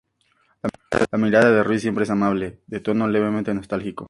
La mirada de Ruiz siempre es amable, de tono levemente nostálgico.